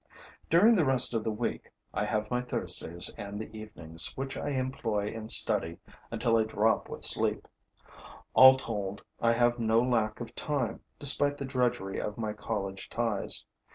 During the rest of the week, I have my Thursdays and the evenings, which I employ in study until I drop with sleep. All told I have no lack of time, despite the drudgery of my college ties.